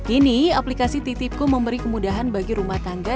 ini aplikasi titipku memberi kemudahan bagi rumah tangga